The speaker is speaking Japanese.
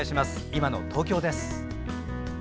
今の東京です。